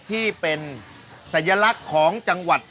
ที่เป็นสัญลักษณ์ของจังหวัด